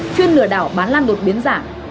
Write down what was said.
chuyên lừa đảo bán lan đột biến giả